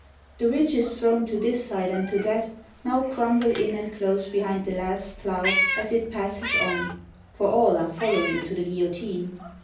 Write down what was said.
The ridges thrown to this side and to that, now crumble in and close behind the last plough as it passes on, for all are following to the guillotine.